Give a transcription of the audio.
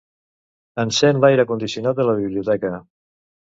Encén l'aire condicionat de la biblioteca.